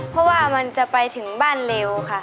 เพราะว่ามันจะไปถึงบ้านเร็วค่ะ